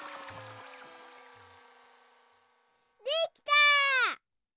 できた！